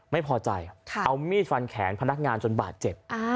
ไม่พอใจเอามีดฟันแขนพนักงานจนบาดเจ็บ